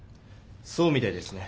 そうみたいですね。